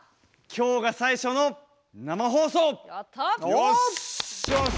きょうが最初の生放送！